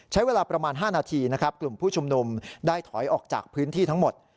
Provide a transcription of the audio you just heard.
ใช้เวลาประมาณ๕นาทีนะครับกลุ่มผู้ชุมนุมได้ถอยออกจากพื้นที่ทั้งหมด